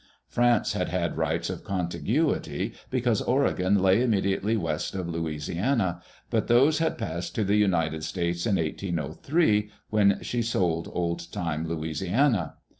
France had had rights of contiguity, because Oregon lay immedi ately west of Louisiana, but those had passed to the United States in 1803, when she sold old time Louisiana.